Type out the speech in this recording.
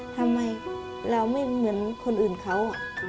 ทำไมเราไม่เหมือนคนอื่นเขา